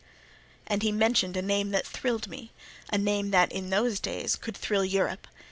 And he mentioned a name that thrilled me—a name that, in those days, could thrill Europe.